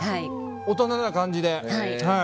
大人な感じで。